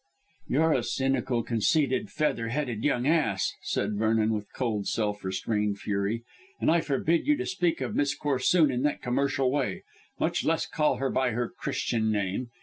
"You're a cynical, conceited, feather headed young ass," said Vernon with cold, self restrained fury, "and I forbid you to speak of Miss Corsoon in that commercial way, much less call her by her Christian name.